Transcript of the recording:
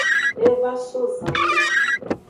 E va so zanme.